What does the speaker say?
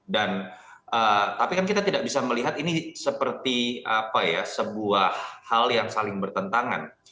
dan tapi kan kita tidak bisa melihat ini seperti apa ya sebuah hal yang saling bertentangan